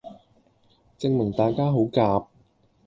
證明大家好夾